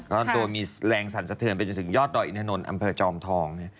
ก็โดยมีแรงสั่นสะเทือนไปจนถึงยอดดอยอินถนนอำเภอจอมทอง